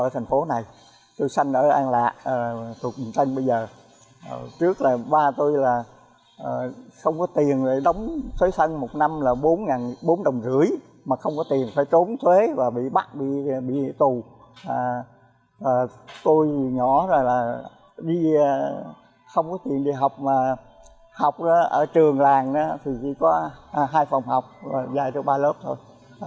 tôi nhỏ rồi là không có tiền đi học mà học ở trường làng thì chỉ có hai phòng học và dạy cho ba lớp thôi